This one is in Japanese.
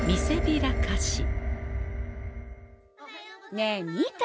ねえ見た？